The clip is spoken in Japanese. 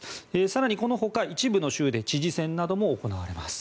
更にこのほか、一部の州で知事選なども行われます。